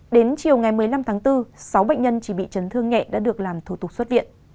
đến chiều ngày một mươi năm tháng bốn sáu bệnh nhân chỉ bị chấn thương nhẹ đã được làm thủ tục xuất viện